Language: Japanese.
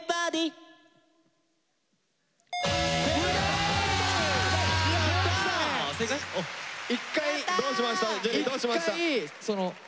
樹どうしました？